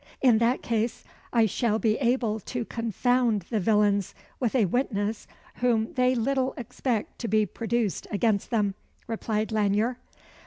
"In that case I shall be able to confound the villains with a witness whom they little expect to be produced against them," replied Lanyere.